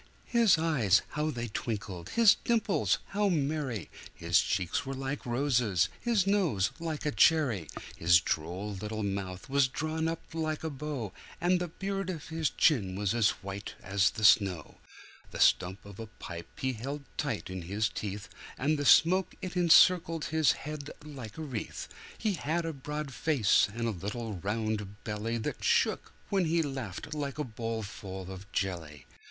His eyes how they twinkled! his dimples how merry! His cheeks were like roses, his nose like a cherry! His droll little mouth was drawn up like a bow, And the beard of his chin was as white as the snow; The stump of a pipe he held tight in his teeth, And the smoke it encircled his head like a wreath; He had a broad face and a little round belly, That shook, when he laughed like a bowlful of jelly.